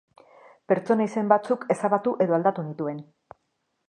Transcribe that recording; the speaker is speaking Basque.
Pertsona izen batzuk ezabatu edo aldatu nituen.